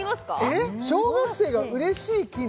えっ小学生がうれしい機能？